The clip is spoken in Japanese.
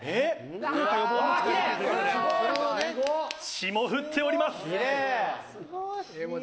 ・霜降っております！